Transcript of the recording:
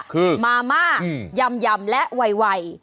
คือมาม่ายำและวัย